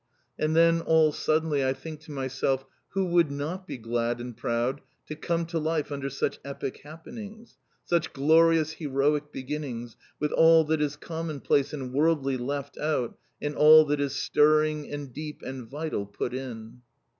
And then, all suddenly, I think to myself, who would not be glad and proud to come to life under such Epic Happenings. Such glorious heroic beginnings, with all that is commonplace and worldly left out, and all that is stirring and deep and vital put in.